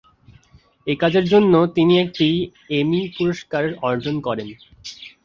এই কাজের জন্য তিনি একটি এমি পুরস্কার অর্জন করেন।